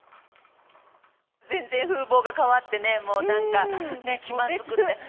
全然、風貌が変わってね、もうなんか、ね、気まずくって。